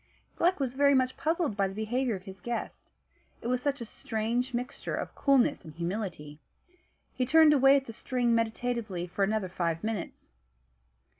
Gluck was very much puzzled by the behaviour of his guest, it was such a strange mixture of coolness and humility. He turned away at the string meditatively for another five minutes.